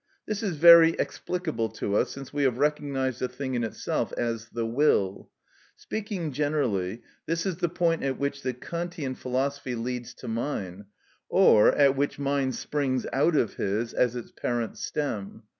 This is very explicable to us since we have recognised the thing in itself as the will. Speaking generally, this is the point at which the Kantian philosophy leads to mine, or at which mine springs out of his as its parent stem.